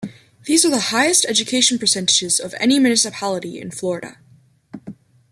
These are the highest education percentages of any municipality in Florida.